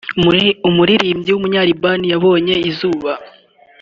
umuririmbyi w’umunya-Liban yabonye izuba